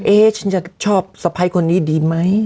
ฉันจะชอบสะพ้ายคนนี้ดีไหม